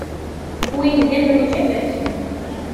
Win d amruj aberkan.